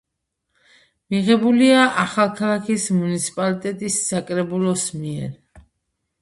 მიღებულია ახალქალაქის მუნიციპალიტეტის საკრებულოს მიერ.